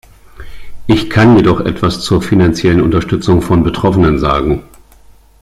Ich kann jedoch etwas zur finanziellen Unterstützung von Betroffenen sagen.